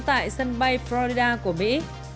tại sân bay florida của mỹ